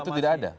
oh itu tidak ada